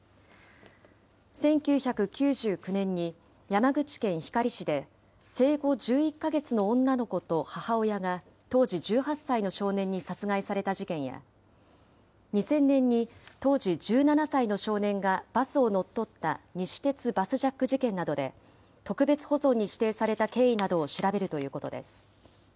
１９９９年に山口県光市で、生後１１か月の女の子と母親が、当時１８歳の少年に殺害された事件や、２０００年に当時１７歳の少年がバスを乗っ取った西鉄バスジャック事件などで、特別保存に指定された経緯などを調べるということです。